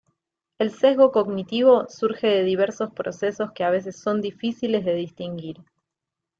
El sesgo cognitivo surge de diversos procesos que a veces son difíciles de distinguir.